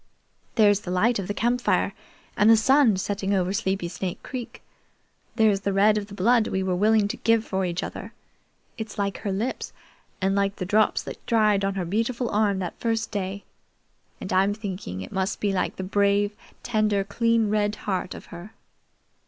There's the light of the campfire, and the sun setting over Sleepy Snake Creek. There's the red of the blood we were willing to give for each other. It's like her lips, and like the drops that dried on her beautiful arm that first day, and I'm thinking it must be like the brave, tender, clean, red heart of her."